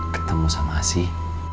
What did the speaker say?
ketemu sama asy